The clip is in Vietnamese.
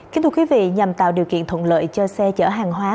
kính thưa quý vị nhằm tạo điều kiện thuận lợi cho xe chở hàng hóa